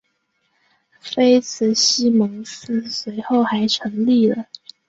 菲茨西蒙斯随后还成立了。